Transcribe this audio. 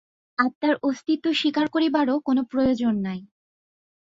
আত্মার অস্তিত্ব স্বীকার করিবারও কোন প্রয়োজন নাই।